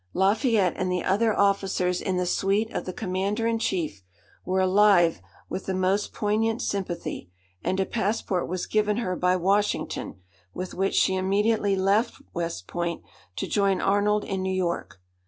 Lafayette, and the other officers in the suite of the commander in chief, were alive with the most poignant sympathy; and a passport was given her by Washington, with which she immediately left West Point to join Arnold in New York.